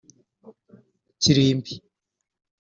Kirimbi